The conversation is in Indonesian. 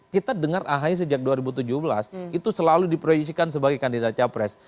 kita dengar ahy sejak dua ribu tujuh belas itu selalu diproyeksikan sebagai kandidat capres